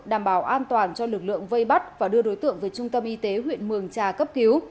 đảm bảo an toàn cho lực lượng vây bắt và đưa đối tượng về trung tâm y tế huyện mường trà cấp cứu